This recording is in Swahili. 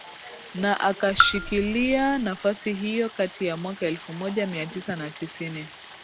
na akashikilia nafasi hiyo kati ya mwaka elfu moja Mia Tisa na tisini